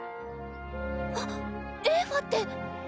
あっエーファって。